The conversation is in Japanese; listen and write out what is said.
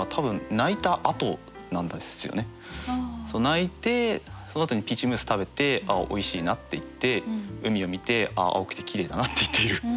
泣いてそのあとにピーチムース食べてああおいしいなって言って海を見てああ青くてきれいだなって言っている。